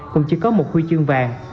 cũng chỉ có một huy chương vàng